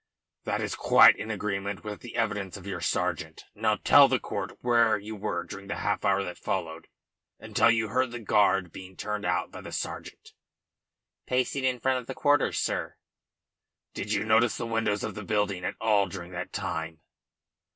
"That is quite in agreement with the evidence of your sergeant. Now tell the court where you were during the half hour that followed until you heard the guard being turned out by the sergeant." "Pacing in front of quarters, sir." "Did you notice the windows of the building at all during that time?"